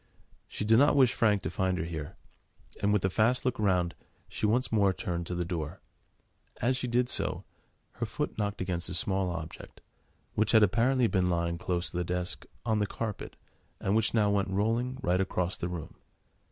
She did not wish Frank to find her here, and with a last look round, she once more turned to the door. As she did so, her foot knocked against a small object, which had apparently been lying close to the desk, on the carpet, and which now went rolling, right across the room.